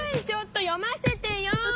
ちょっと読ませてよ！